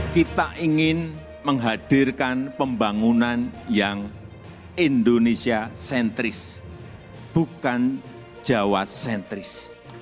kita ingin menghadirkan pembangunan yang indonesia sentris bukan jawa sentris